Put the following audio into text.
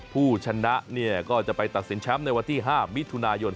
ผู้ชนะก็จะไปตัดสินแชมป์ในวันที่๕มิถุนายน